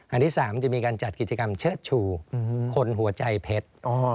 ที่๓จะมีการจัดกิจกรรมเชิดชูคนหัวใจเพชร